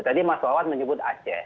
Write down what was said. tadi mas wawan menyebut aceh